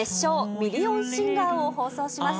ミリオンシンガーを放送します。